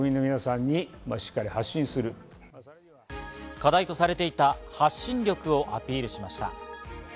課題とされていた発信力をアピールしました。